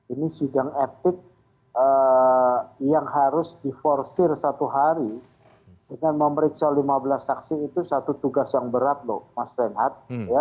ini sidang etik yang harus diforsir satu hari dengan memeriksa lima belas saksi itu satu tugas yang berat loh mas renhat